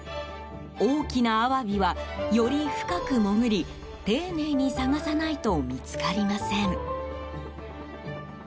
大きなアワビはより深く潜り、丁寧に探さないと見つかりません。